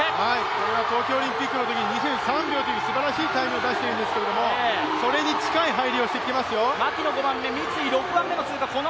これは東京オリンピックのときに２分３秒というすばらしいタイムを出しているんですけど、それに近い入りをしてきていますよ。